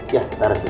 ya taruh sini